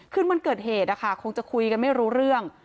คืนวันเกิดเหตุนะคะคงจะคุยกันไม่รู้เรื่อง